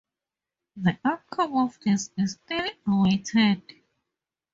The outcome of this is still awaited.